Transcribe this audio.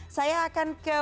saya akan pembahas